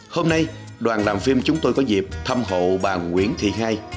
hôm nay đoàn làm phim chúng tôi có dịp thăm hộ bà nguyễn thị ngai